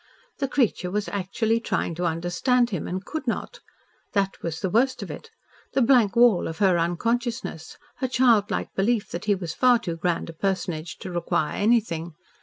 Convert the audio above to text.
The creature was actually trying to understand him and could not. That was the worst of it, the blank wall of her unconsciousness, her childlike belief that he was far too grand a personage to require anything.